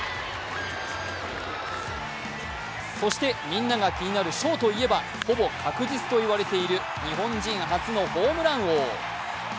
そしてみんなが気になる賞といえばほぼ確実と言われている日本人初のホームラン王。